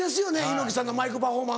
猪木さんのマイクパフォーマンス。